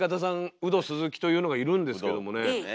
ウド鈴木というのがいるんですけどもね